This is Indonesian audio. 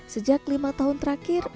sejak lima tahun terakhir